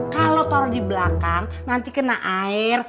kalau taruh di belakang nanti kena air